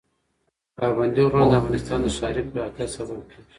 پابندی غرونه د افغانستان د ښاري پراختیا سبب کېږي.